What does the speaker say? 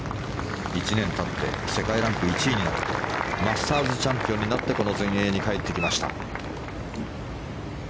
１年たって世界ランク１位になってマスターズチャンピオンになってこの全英に帰ってきました。